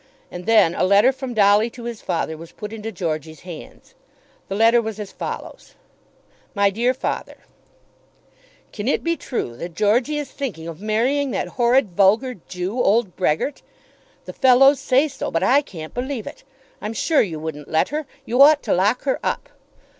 And then a letter from Dolly to his father was put into Georgey's hands. The letter was as follows: MY DEAR FATHER, Can it be true that Georgey is thinking of marrying that horrid vulgar Jew, old Brehgert? The fellows say so; but I can't believe it. I'm sure you wouldn't let her. You ought to lock her up.